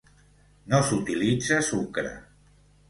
No s'utilitza sucre.